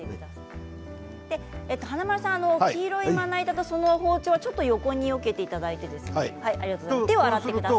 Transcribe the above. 華丸さん、黄色いまな板とその包丁をちょっと横によけていただいて手を洗ってください。